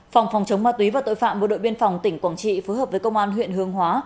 phòng phòng chống ma túy và tội phạm bộ đội biên phòng tỉnh quảng trị phối hợp với công an huyện hương hóa